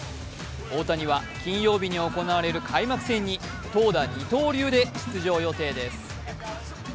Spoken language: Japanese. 大谷は金曜日に行われる開幕戦に投打二刀流で出場予定です。